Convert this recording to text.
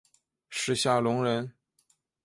史夏隆人。